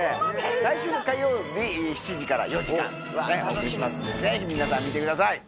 来週の火曜日７時から４時間お送りしますんでぜひ皆さん見てください。